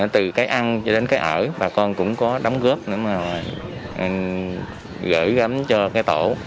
từ cái ăn đến cái ở bà con cũng có đóng góp gửi gắm cho cái tổ